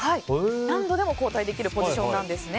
何度でも交代できるポジションなんですね。